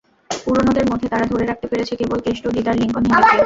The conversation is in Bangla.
পুরোনোদের মধ্যে তারা ধরে রাখতে পেরেছে কেবল কেষ্ট, দিদার, লিংকন, হিমেলকে।